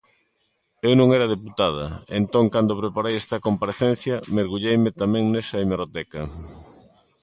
Eu non era deputada, e entón, cando preparei esta comparecencia, mergulleime tamén nesa hemeroteca.